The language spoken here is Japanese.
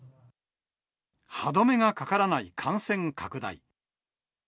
歯止めがかからない感染拡大。